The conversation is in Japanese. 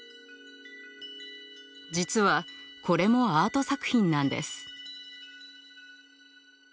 実はこれもアート作品なんです。